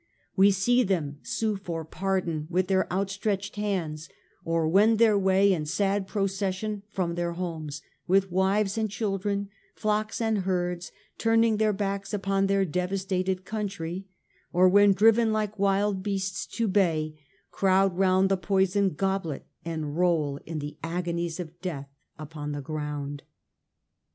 We see them sue for pardon with their out stretched hands, or wend their way in sad procession from their homes, with wives and children, flocks and herds, turning their backs upon their devastated country, or when driven like wild beasts to bay, crowd round the poisoned goblet and roll in the agonies of death upon the ground.